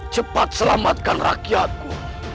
cepat selamatkan rakyatku